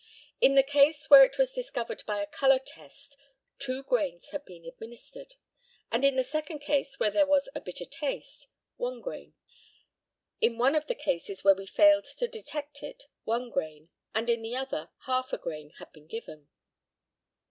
In the case where it was discovered by a colour test two grains had been administered; and in the second case where there was a bitter taste, one grain. In one of the cases where we failed to detect it one grain, and in the other half a grain had been given.